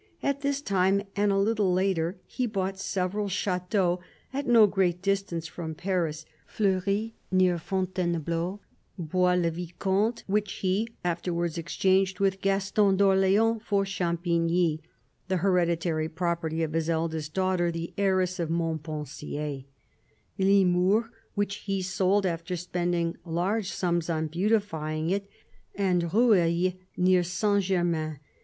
At this time and a little later he bought several chateaux at no great distance from Paris — Fleury, near Fontainebleau ; Bois le Vicomte, which he afterwards ex changed with Gaston d'Orleans for Champigny, the hereditary property of his eldest daughter, the heiress of Montpensier ; Limours, which he sold, after spending large sums on beautifying it ; and Rueil, near Saint Germain.